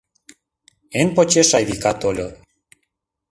Эн почеш Айвика тольо.